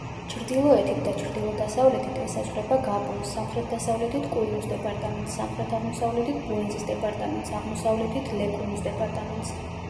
ჩრდილოეთით და ჩრდილო-დასავლეთით ესაზღვრება გაბონს, სამხრეთ-დასავლეთით კუილუს დეპარტამენტს, სამხრეთ-აღმოსავლეთით ბუენზის დეპარტამენტს, აღმოსავლეთით ლეკუმუს დეპარტამენტს.